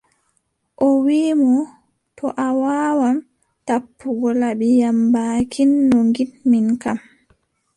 O wiʼi mo : to a waawan tappugo laɓi am baakin no ngiɗmin kam,